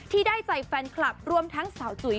ที่ได้ใจแฟนคลับรวมทั้งสาวจุ๋ย